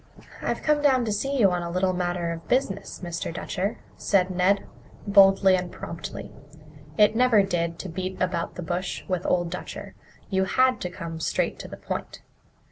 "I've come down to see you on a little matter of business, Mr. Dutcher," said Ned, boldly and promptly. It never did to beat about the bush with Old Dutcher; you had to come straight to the point.